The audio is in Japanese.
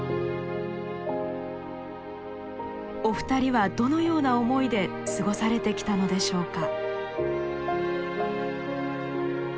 お二人はどのような思いで過ごされてきたのでしょうか。